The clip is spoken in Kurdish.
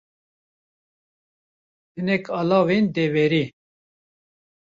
Hinek alawên deverê